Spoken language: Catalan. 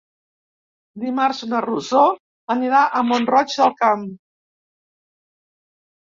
Dimarts na Rosó anirà a Mont-roig del Camp.